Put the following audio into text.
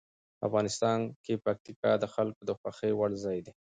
افغانستان کې پکتیکا د خلکو د خوښې وړ ځای دی.